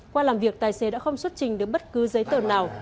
qua làm việc tài xế đã không xuất trình được bất cứ giấy tờ nào